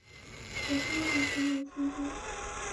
可升级成为金将。